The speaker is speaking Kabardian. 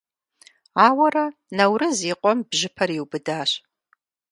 Ауэрэ Наурыз и къуэм бжьыпэр иубыдащ.